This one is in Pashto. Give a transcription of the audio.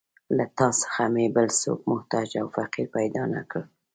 له تا څخه مې بل څوک محتاج او فقیر پیدا نه کړ.